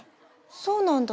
そうなんだ？